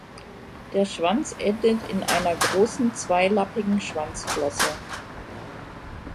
Der Schwanz endet in einer großen, zweilappigen Schwanzflosse.